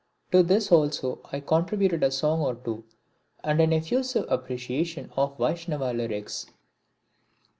To this also I contributed a song or two and an effusive appreciation of Vaishnava lyrics.